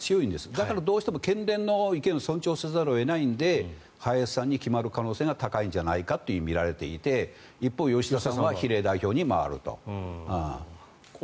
だからどうしても県連の意見を尊重せざるを得ないので林さんに決まる可能性が高いとみられていて一方、吉田さんは比例代表に回ると。